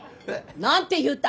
何て言うた？